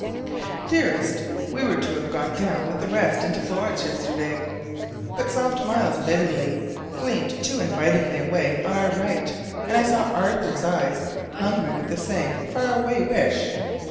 Dearest: We were to have gone down with the rest into Florence yesterday: but soft miles of Italy gleamed too invitingly away on our right, and I saw Arthur's eyes hungry with the same far away wish.